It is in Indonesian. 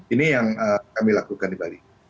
ini yang kami lakukan di bali